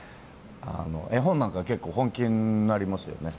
絵本なんか結構、本気になりますよね。